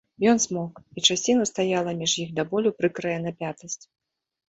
Ён змоўк, і часіну стаяла між іх да болю прыкрая напятасць.